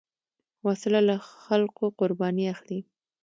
وسله له خلکو قرباني اخلي